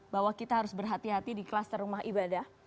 bahwa kita harus berhati hati di kluster rumah ibadah